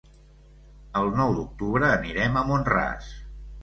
El nou d'octubre anirem a Mont-ras.